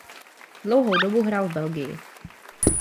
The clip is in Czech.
Dlouhou dobu hrál v Belgii.